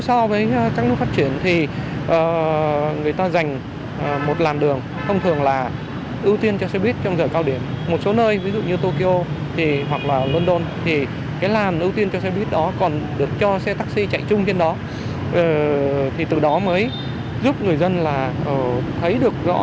đó mới giúp người dân là thấy được rõ cái ưu thế trên mặt đường của các phương tiện công cộng